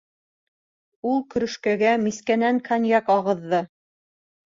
Ул көрөшкәгә мискәнән коньяҡ ағыҙҙы.